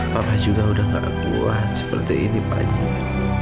papa juga udah gak kuat seperti ini paknya